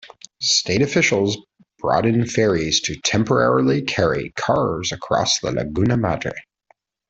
State officials brought in ferries to temporarily carry cars across the Laguna Madre.